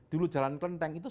dulu jalan klenteng itu